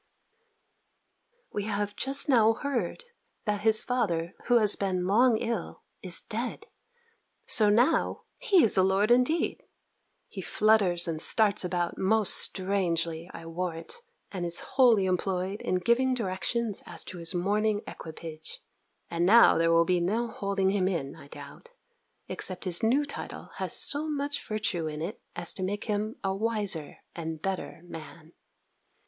We have just now heard that his father, who has been long ill, is dead. So now, he is a lord indeed! He flutters and starts about most strangely, I warrant, and is wholly employed in giving directions as to his mourning equipage. And now there will be no holding him in, I doubt; except his new title has so much virtue in it, as to make him a wiser and better man.